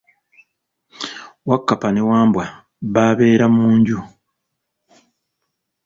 Wakkapa ne Wambwa babeera mu nju.